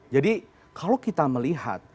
jadi kalau kita melihat